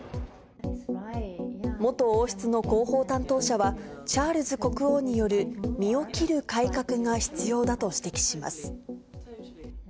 元王室の広報担当者は、チャールズ国王による身を切る改革が必要だと指摘します。